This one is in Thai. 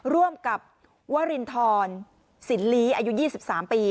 ร่วมกับวรินทรสินลี้อายุยี่สิบสามปี